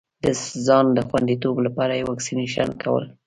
د ځان خوندیتوب لپاره یې واکسېنېشن کول.